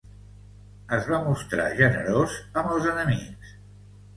Es va mostrar generós amb els enemics.